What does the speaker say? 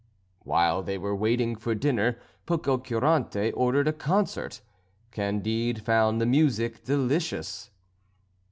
While they were waiting for dinner Pococurante ordered a concert. Candide found the music delicious.